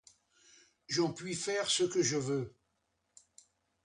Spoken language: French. J'en puis faire ce que je veux.